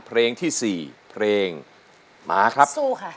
เพลงที่๔เพลงมาครับ